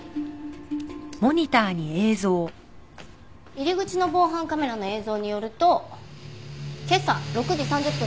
入り口の防犯カメラの映像によると今朝６時３０分です。